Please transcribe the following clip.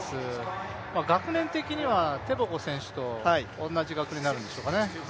学年的にはテボゴ選手と同じ学年になるんでしょうね。